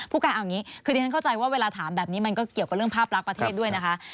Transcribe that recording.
การเอาอย่างนี้คือดิฉันเข้าใจว่าเวลาถามแบบนี้มันก็เกี่ยวกับเรื่องภาพลักษณ์ประเทศด้วยนะคะ